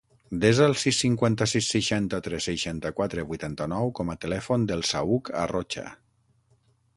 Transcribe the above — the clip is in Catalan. Desa el sis, cinquanta-sis, seixanta-tres, seixanta-quatre, vuitanta-nou com a telèfon del Saüc Arrocha.